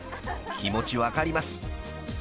［気持ち分かります］